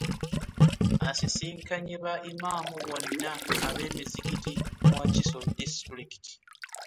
Asisinkanye ba Imaam bonna ab'emizikiti mu Wakiso disitulikiti.